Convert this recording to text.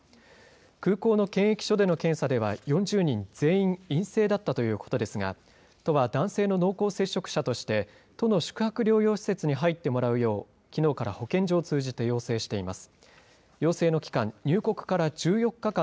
空港の検疫所での検査では４０人全員、陰性だったということですが、都は男性の濃厚接触者として、都の宿泊療養施設に入ってもらうよう、きのうから保健所を通じて要請しています。